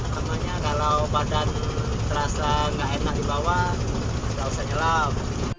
pertama nya kalau badan terasa tidak enak di bawah tidak usah nyelam